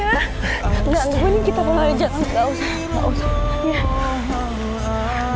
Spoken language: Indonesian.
gak usah gak usah